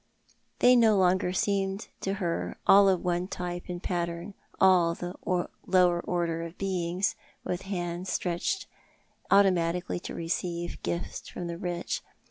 They no longer seemed to her all of one type and pattern — all a lower order of beings, with hands stretched auto matically to receive gifts from the rich.